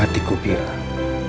aku ingin berbohong